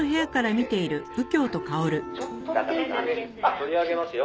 取り上げますよ。